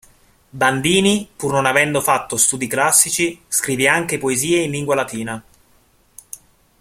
Bandini pur non avendo fatto studi classici scrive anche poesie in lingua latina.